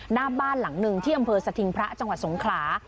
หน้าบ้านหลังหนึ่งที่อำเภอสถิงพระจังหวัดสงขลา